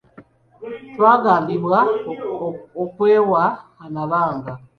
Twagambibwa okwewa amanga.